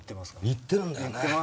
行ってるんだよね。